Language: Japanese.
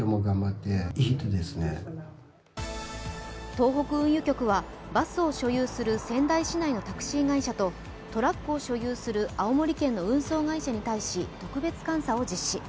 東北運輸局はバスを所有する仙台市内のタクシー会社とトラックを所有する青森県の運送会社に対し、特別監査を実施。